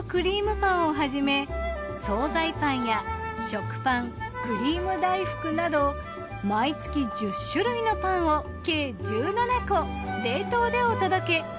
パンをはじめ惣菜パンや食パンくりーむ大福など毎月１０種類のパンを計１７個冷凍でお届け。